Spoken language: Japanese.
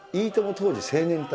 当時青年隊。